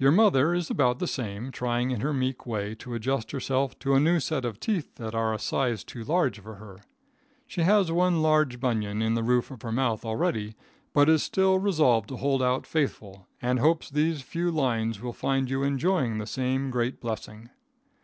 Your mother is about the same, trying in her meek way to adjust herself to a new set of teeth that are a size too large for her. She has one large bunion in the roof of her mouth already, but is still resolved to hold out faithful, and hopes these few lines will find you enjoying the same great blessing.